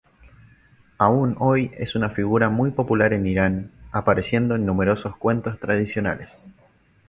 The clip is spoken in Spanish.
Aún hoy es una figura muy popular en Irán, apareciendo en numerosos cuentos tradicionales.